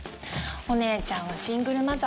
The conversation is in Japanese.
お姉ちゃんはシングルマザー